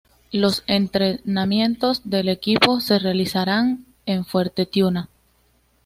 Los entrenamientos del equipo se realizarán en Fuerte Tiuna.